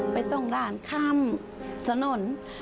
ไปส่งหลานข้ามถนน